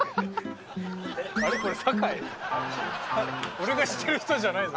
俺が知ってる人じゃないぞ？